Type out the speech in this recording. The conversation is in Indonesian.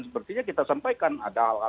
sepertinya kita sampaikan ada hal hal